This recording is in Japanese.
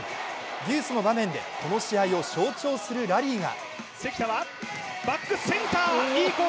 デュースの場面でこの試合を象徴するラリーが。